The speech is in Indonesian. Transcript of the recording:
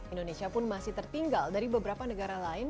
indonesia pun masih tertinggal dari beberapa negara lain